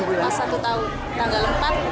rumah satu tahun tanggal empat